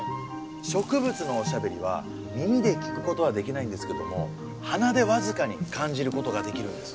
植物のおしゃべりは耳で聞くことはできないんですけども鼻で僅かに感じることができるんです。